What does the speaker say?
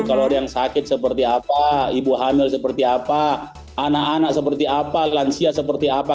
kalau ada yang sakit seperti apa ibu hamil seperti apa anak anak seperti apa lansia seperti apa